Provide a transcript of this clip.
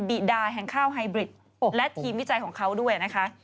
ิดาแห่งข้าวไฮบริดและทีมวิจัยของเขาด้วยนะคะ